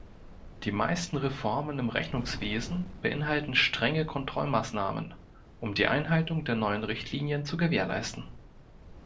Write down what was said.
Die meisten Reformen im Rechnungswesen beinhalten strenge Kontrollmaßnahmen, um die Einhaltung der neuen Richtlinien zu gewährleisten.